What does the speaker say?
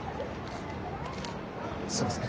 すいません。